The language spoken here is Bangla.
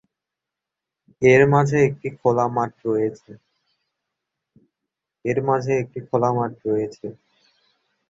এর মাঝে একটি খোলা মাঠ রয়েছে।